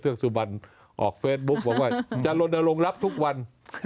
กสุบันออกเฟซบุ๊กบอกว่าจะลนลงรับทุกวัน